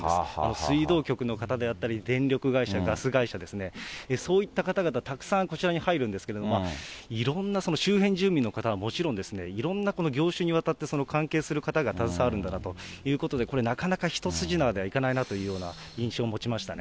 水道局の方であったり電力会社、ガス会社ですね、そういった方々、たくさんこちらに入るんですけれども、いろんな周辺住民の方はもちろん、いろんな業種にわたって関係する方が携わるんだなということで、これ、なかなか一筋縄ではいかないなという印象を持ちましたね。